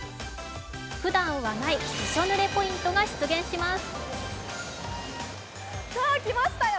ふだんはないびしょ濡れポイントが出現します。